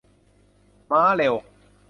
ม้าเร็ว